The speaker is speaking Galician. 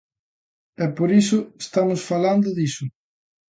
E por iso estamos falando diso.